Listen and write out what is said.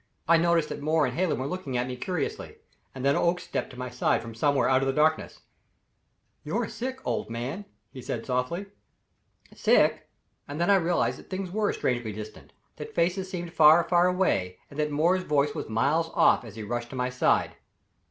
I noticed that Moore and Hallen were looking at me curiously; and then Oakes stepped to my side from somewhere out in the darkness. "You're sick, old fellow!" he said softly. "Sick!" and then I realized that things were strangely distant, that faces seemed far, far away, and that Moore's voice was miles off as he rushed to my side.